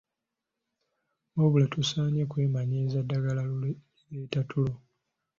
Wabula tosaanye kwemanyiiza ddagala lireeta tulo.